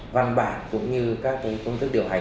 văn bản cũng như các công thức điều hành